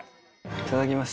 いただきます。